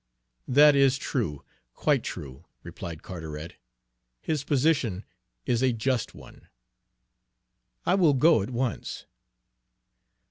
"That is true, quite true," replied Carteret. "His position is a just one. I will go at once.